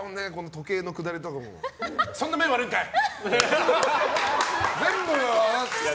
時計の下りとかもそんな目、悪いんかい！